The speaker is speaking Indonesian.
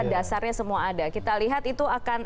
dasarnya semua ada kita lihat itu akan